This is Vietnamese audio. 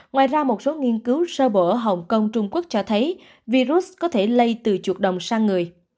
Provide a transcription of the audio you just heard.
ngoài ra một số nghiên cứu sơ bộ ở hồng kông trung quốc cho thấy virus có thể lây từ chuột đồng sang người